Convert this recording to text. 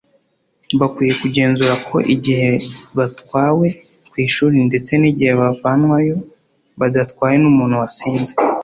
Bakwiye kugenzura ko igihe batwawe ku ishuri ndetse n’igihe bavanwayo badatwawe n’umuntu wasinze